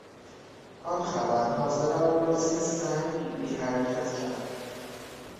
آن خبر حاضران را مثل سنگ بی حرکت کرد.